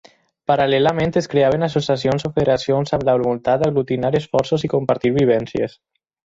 Paral·lelament, es creaven associacions o federacions amb la voluntat d'aglutinar esforços i compartir vivències.